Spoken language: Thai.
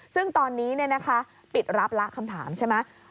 ซึ่งตอนนี้ปิดรับละคำถามใช่ไหม